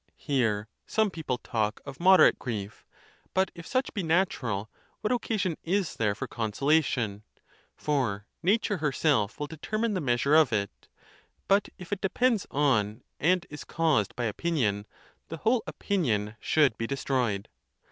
Here some people talk of moderate grief; but if such be natural, what occasion is there for consolation ? for nature herself will determine the measure of it: but if it depends on and is caused by opinion, the whole opinion should be destroyed.